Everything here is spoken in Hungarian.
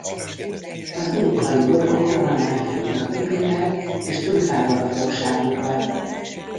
Az uruk-hai orkok Rohanon át futnak Pippinnel és Trufával a fogságukban.